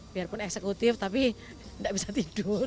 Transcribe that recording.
biarpun eksekutif tapi tidak bisa tidur